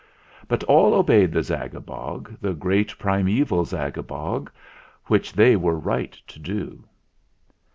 But all obeyed the Zagabog, The good primeval Zagabog: Which they were right to do.